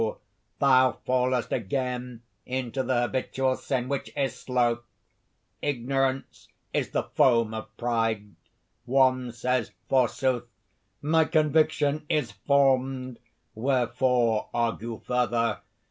thou fallest again into the habitual sin, which is sloth! Ignorance is the foam of pride. One says, forsoth: 'My conviction is formed! wherefore argue further?'